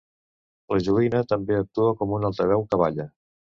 La joguina també actua com un altaveu que balla.